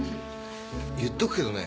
言っとくけどね